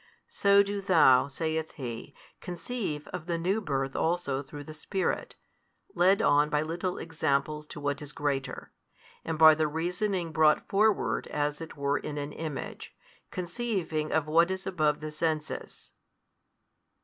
So do thou, saith He, conceive of the new birth also through the Spirit, led on by little examples to what is greater, and by the reasoning brought forward as it were in an image, conceiving of what is above the senses.